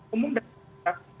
umum dan aduan